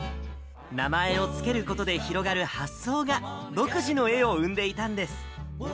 名前を付けることで広がる発想が、独自の絵を生んでいたんです。